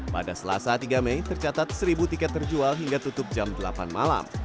pada selasa tiga mei tercatat seribu tiket terjual hingga tutup jam delapan malam